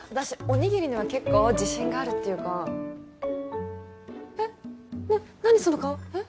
おにぎりには結構自信があるっていうかえっ何その顔えっ？